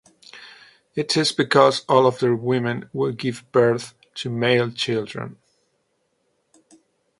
It is because all of their women would give birth to male children.